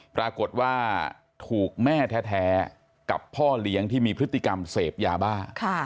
ปรากฏว่าถูกแม่แท้กับพ่อเลี้ยงที่มีพฤติกรรมเสพยาบ้า